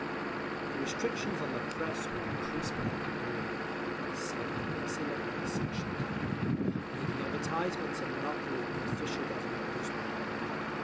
The restrictions on the Press were increased by a decree (See App. XI, Sect. 10) making advertisements a monopoly of the official Government newspaper.